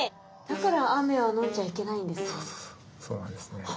「だから雨は飲んじゃいけない」。